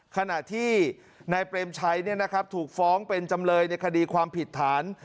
ขณะที่นายเปรมชัยถูกฟ้องเป็นจำเลยในคดีความผิดฐาน